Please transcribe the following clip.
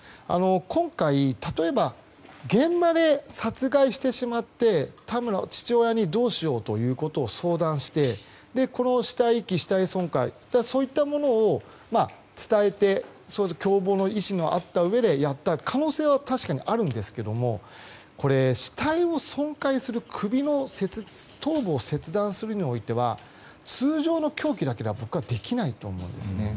今回、例えば現場で殺害してしまって父親に、どうしようということを相談して死体遺棄、死体損壊そういったものを伝えて共謀の意思があったうえでやった可能性は確かにあるんですけども死体を損壊する頭部を切断するにおいては通常の凶器だけでは僕はできないと思うんですね。